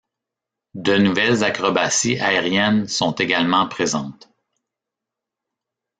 De nouvelles acrobaties aériennes sont également présentes.